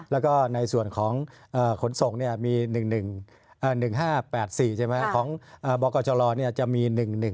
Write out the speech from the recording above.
แล้วก็ในส่วนของขนส่งเนี่ยมี๑๕๘๔ของบรกลเนี่ยจะมี๑๑๙๗